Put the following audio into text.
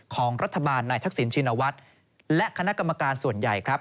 ของรัฐบาลนายทักษิณชินวัฒน์และคณะกรรมการส่วนใหญ่ครับ